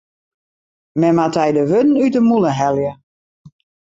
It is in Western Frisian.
Men moat dy de wurden út 'e mûle helje.